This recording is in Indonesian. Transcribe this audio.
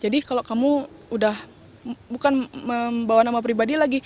jadi kalau kamu udah bukan membawa nama pribadi lagi